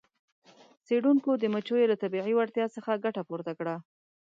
څیړونکو د مچیو له طبیعي وړتیا څخه ګټه پورته کړه.